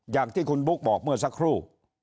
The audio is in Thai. อย่างที่คุณบุ๊คบอกเมื่อสักครู่